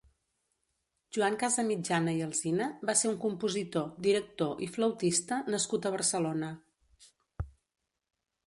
Joan Casamitjana i Alsina va ser un compositor, director i flautista nascut a Barcelona.